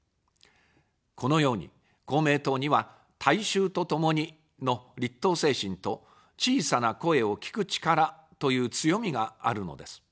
このように、公明党には、大衆とともにの立党精神と小さな声を聴く力という強みがあるのです。